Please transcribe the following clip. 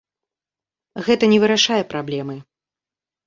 Гэта не вырашае праблемы.